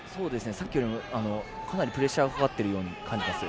さっきよりもかなりプレッシャーがかかっています。